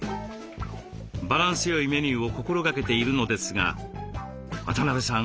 バランスよいメニューを心がけているのですが渡邊さん